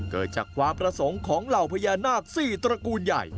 เกิดจากความประสงค์ของเหล่าพญานาค๔ตระกูลใหญ่